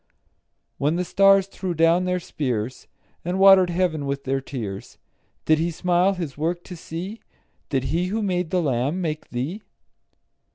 When the stars threw down their spears, And water'd heaven with their tears, Did He smile His work to see? Did He who made the lamb make thee?